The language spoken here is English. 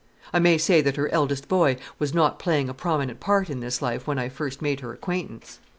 I may say that her eldest boy was not playing a prominent part in this life when I first made her acquaintance.